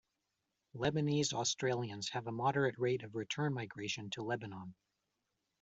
Lebanese Australians have a moderate rate of return migration to Lebanon.